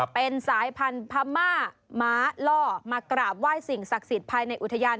เป็นสายพันธุ์พม่าม้าล่อมากราบไหว้สิ่งศักดิ์สิทธิ์ภายในอุทยาน